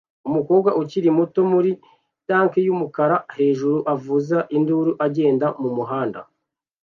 Umukobwa ukiri muto muri tank yumukara hejuru avuza induru agenda mumuhanda